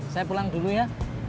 saya pulang dulu ya